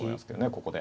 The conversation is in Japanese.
ここで。